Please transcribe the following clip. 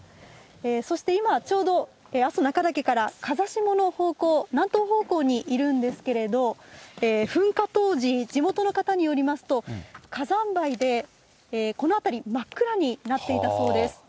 そして今、ちょうど阿蘇中岳から風下の方向、南東方向にいるんですけれど、噴火当時、地元の方によりますと、火山灰でこの辺り、真っ暗になっていたそうです。